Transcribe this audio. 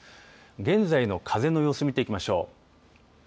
現在の風の様子見ていきましょう。